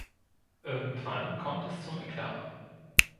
Irgendwann kommt es zum Eklat.